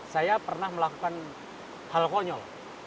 saya pernah melakukan hal konyol